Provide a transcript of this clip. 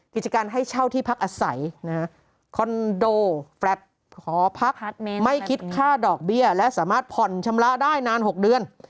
กิจการให้เช่าที่พักอาศัยคอนโดแฟลต์หอพักไม่คิดค่าดอกเบี้ยและสามารถผ่อนชำระได้นาน๖เดือน